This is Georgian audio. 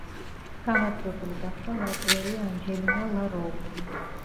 გამარჯვებული გახდა ლატვიელი ანჯელინა ლა როუზი.